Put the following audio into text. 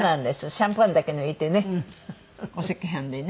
シャンパンだけ抜いてねお赤飯でね。